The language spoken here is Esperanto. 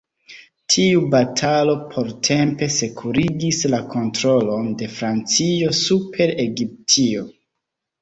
Tiu batalo portempe sekurigis la kontrolon de Francio super Egiptio.